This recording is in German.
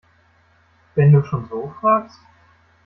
Wenn du schon so fragst!